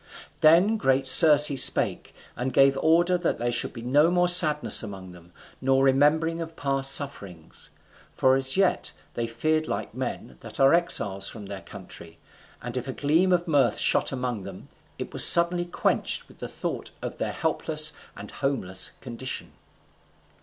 Then great Circe spake, and gave order that there should be no more sadness among them, nor remembering of past sufferings. For as yet they fared like men that are exiles from their country, and if a gleam of mirth shot among them, it was suddenly quenched with the thought of their helpless and homeless condition.